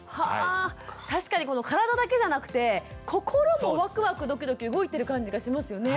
確かに体だけじゃなくて心もワクワクドキドキ動いてる感じがしますよね。